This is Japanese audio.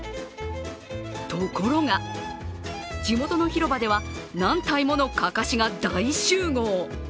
ところが、地元の広場では、何体ものかかしが大集合。